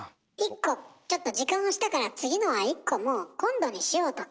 ちょっと時間押したから次のは１個もう今度にしようとか。